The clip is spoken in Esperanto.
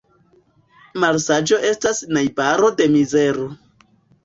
Malsaĝo estas najbaro de mizero.